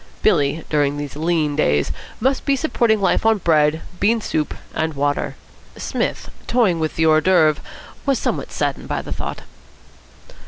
Billy, during these lean days, must be supporting life on bread, bean soup, and water. Psmith, toying with the hors d'oeuvre, was somewhat saddened by the thought.